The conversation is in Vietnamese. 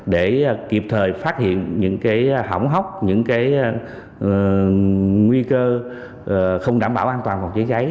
để kịp thời phát hiện những hỏng hóc những nguy cơ không đảm bảo an toàn phòng cháy cháy